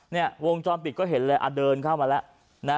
เนี่ยวงจรปิดก็เห็นเลยเดินเข้ามาแล้ว